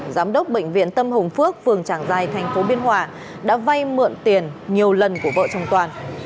giám đốc bệnh viện tâm hồng phước phường tràng giai tp biên hòa đã vay mượn tiền nhiều lần của vợ chồng toàn